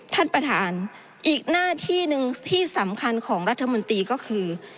ท่านประธานอีกหน้าที่หนึ่งที่สำคัญของรัฐมนตรีก็คือ